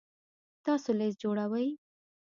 تاسو لیست جوړوئ؟